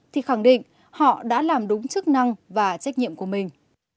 thì khẳng định họ đã làm đúng chức năng và trách nhiệm của mình